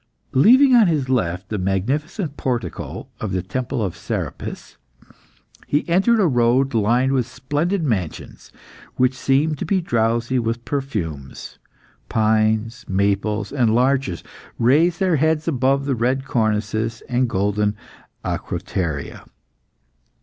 Leaving on his left the magnificent portico of the Temple of Serapis, he entered a road lined with splendid mansions, which seemed to be drowsy with perfumes. Pines, maples, and larches raised their heads above the red cornices and golden acroteria.